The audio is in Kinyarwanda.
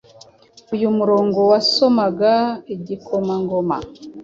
Uyu murongo wasomaga Igikomangoma-